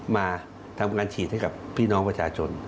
มาทำการฉีดให้กับพี่น้องประชาชน